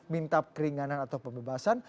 minta keringanan atau pembebasan